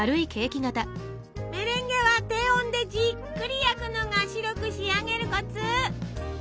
メレンゲは低温でじっくり焼くのが白く仕上げるコツ！